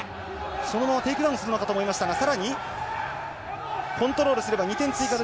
そのままテイクダウンするのかと思いましたが更にコントロールすれば２点追加で